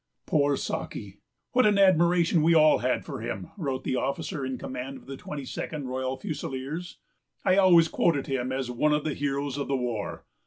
"Poor Saki! What an admiration we all had for him," wrote the officer in command of the 22nd Royal Fusiliers. "I always quoted him as one of the heroes of the war.